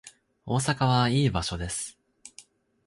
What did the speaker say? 大阪はいい場所です